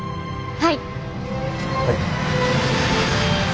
はい！